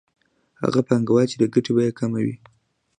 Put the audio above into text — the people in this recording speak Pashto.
هغه پانګوال چې د ګټې بیه یې کمه وي